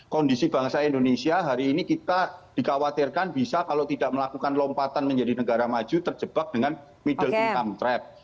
kondisi bangsa indonesia hari ini kita dikhawatirkan bisa kalau tidak melakukan lompatan menjadi negara maju terjebak dengan middle income trap